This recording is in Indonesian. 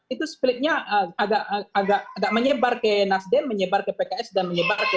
itu splitnya agak menyebar ke nasden menyebar ke pks dan menyebar ke demokrat